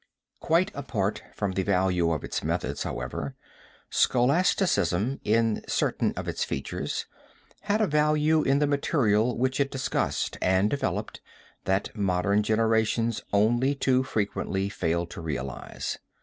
Quite apart from the value of its methods, however, scholasticism in certain of its features had a value in the material which it discussed and developed that modern generations only too frequently fail to realize.